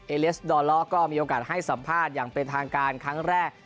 เลสดอลล้อก็มีโอกาสให้สัมภาษณ์อย่างเป็นทางการครั้งแรก